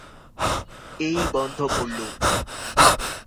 এই বন্ধ করলুম।